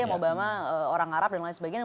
obama orang arab dan lain sebagainya